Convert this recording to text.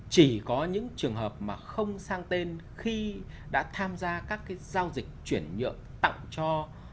chỉ có những trường hợp mà không sang tên khi đã tham gia các cái giao dịch chuyển nhượng tặng cho